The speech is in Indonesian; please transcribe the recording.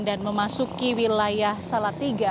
dan memasuki wilayah salatiga